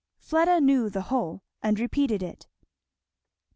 Fleda knew the whole and repeated it.